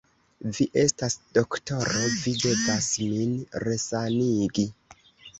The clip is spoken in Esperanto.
Vi estas doktoro, vi devas min resanigi.